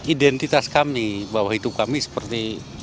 identitas kami seperti